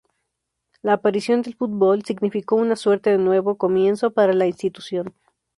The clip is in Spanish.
La aparición del fútbol significó una suerte de nuevo comienzo para la institución.